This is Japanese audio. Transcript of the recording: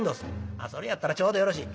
「あそれやったらちょうどよろしい。